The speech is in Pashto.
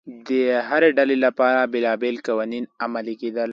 د هرې ډلې لپاره بېلابېل قوانین عملي کېدل